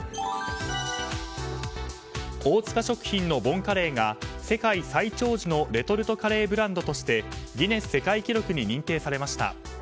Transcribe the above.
大塚食品のボンカレーが世界最長寿のレトルトカレーブランドとしてギネス世界記録に認定されました。